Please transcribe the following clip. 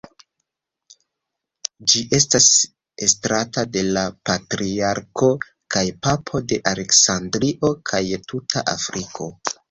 Ĝi estas estrata de la "Patriarko kaj Papo de Aleksandrio kaj tuta Afriko".